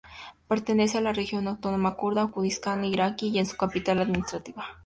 Pertenece a la Región Autónoma Kurda o Kurdistán iraquí y es su capital administrativa.